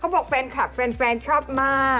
บอกแฟนคลับแฟนชอบมาก